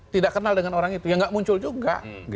tidak kenal dengan orang itu yang gak muncul juga